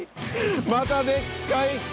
またでっかい！